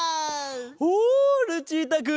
おルチータくん！